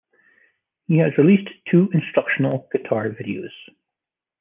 He has released two instructional guitar videos.